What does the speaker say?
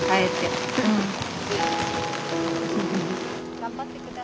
頑張って下さい。